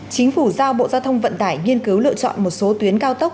chính phủ giao bộ giao thông vận tải nghiên cứu lựa chọn một số tuyến cao tốc